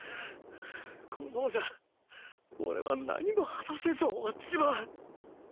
このままじゃオレは何も果たせず終わっちまう。